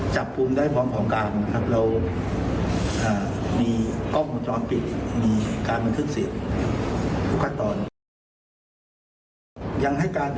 จะให้ข้อมูลเข้าเติมได้ครับ